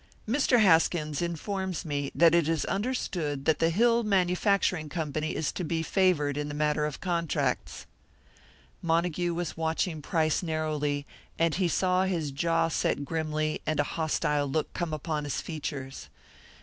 "Mr. Haskins informs me that it is understood that the Hill Manufacturing Company is to be favoured in the matter of contracts." Montague was watching Price narrowly, and he saw his jaw set grimly, and a hostile look come upon his features.